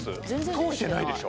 通してないでしょ？